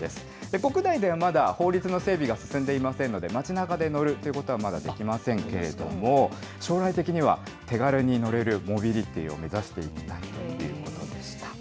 国内ではまだ法律の整備が進んでいませんので、街なかで乗るということは、まだできませんけれども、将来的には、手軽に乗れるモビリティを目指していきたいということでした。